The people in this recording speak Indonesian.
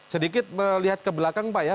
sedikit melihat ke belakang pak ya